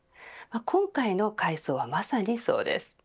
今回の海藻は、まさにそうです。